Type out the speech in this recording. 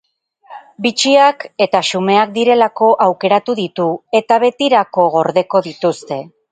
Bitxiak eta xumeak direlako aukeratu ditu, eta betirako gordeko dituzte.